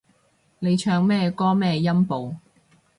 你唱咩歌咩音部